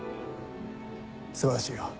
素晴らしいよ。